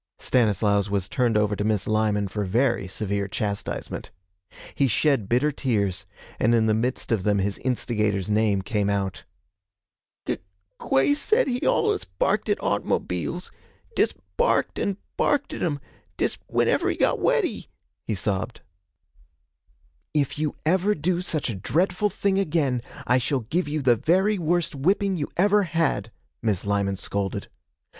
Stanislaus was turned over to Miss Lyman for very severe chastisement. He shed bitter tears, and in the midst of them his instigator's name came out. 'G gwey said he al'us barked at aut'mobiles dest barked an' barked at 'em dest whenever he got weady,' he sobbed. 'If you ever do such a dreadful thing again, I shall give you the very worst whipping you ever had,' Miss Lyman scolded.